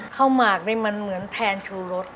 หมากนี่มันเหมือนแทนชูรส